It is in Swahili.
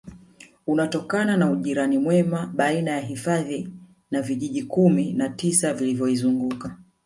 Unatokana na ujirani mwema baina ya hifadhi na vijiji kumi na tisa vinavyoizunguka